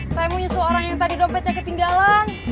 saya mau nyusu orang yang tadi dompetnya ketinggalan